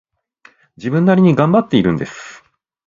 自分なりに頑張っているんです